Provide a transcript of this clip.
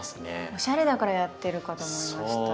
おしゃれだからやってるかと思いました。